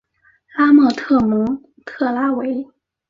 拉莫特蒙特拉韦。